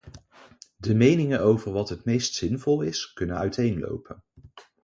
De meningen over wat het meest zinvol is, kunnen uiteenlopen.